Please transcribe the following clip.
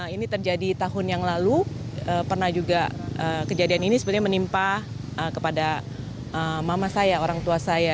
ini terjadi tahun yang lalu pernah juga kejadian ini sebenarnya menimpa kepada mama saya orang tua saya